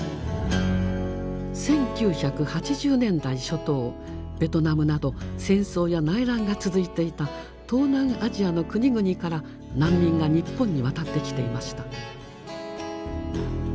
１９８０年代初頭ベトナムなど戦争や内乱が続いていた東南アジアの国々から難民が日本に渡ってきていました。